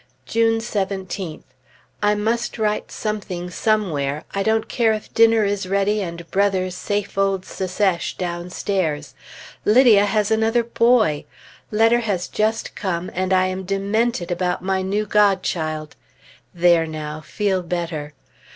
June 17th. I must write something somewhere, I don't care if dinner is ready, and Brother's "safe old Secesh" downstairs! Lydia has another boy! Letter has just come, and I am demented about my new godchild! There now! feel better!